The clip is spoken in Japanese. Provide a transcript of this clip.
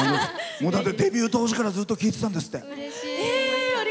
デビュー当時からずっと聴いてたんですって。